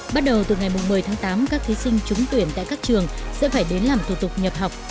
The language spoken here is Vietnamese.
bắt đầu từ ngày một mươi tháng tám các thí sinh trúng tuyển tại các trường sẽ phải đến làm thủ tục nhập học